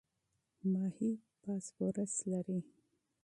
ماهي فاسفورس لري.